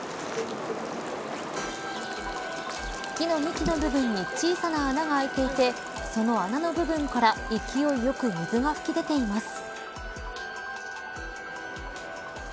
木の幹の部分に小さな穴があいていてその穴の部分から勢いよく水が噴き出ています。